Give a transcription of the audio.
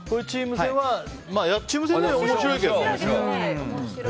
チーム戦でも面白いけどね。